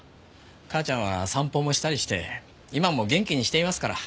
母ちゃんは散歩もしたりして今も元気にしていますから。